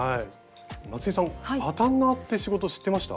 松井さんパタンナーって仕事知ってました？